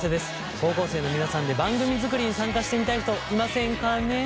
高校生の皆さんで番組作りに参加してみたい人いませんかね？